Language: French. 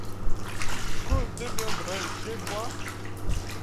Que deviendrai-je, moi?